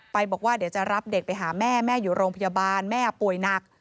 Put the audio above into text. บอกว่าเดี๋ยวจะรับเด็กไปหาแม่แม่อยู่โรงพยาบาลแม่ป่วยหนัก